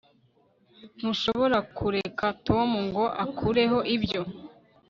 ntushobora kureka tom ngo akureho ibyo